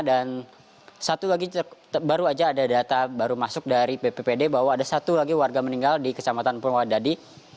dan satu lagi baru saja ada data baru masuk dari bpwd bahwa ada satu lagi warga meninggal di kecamatan pulau dadi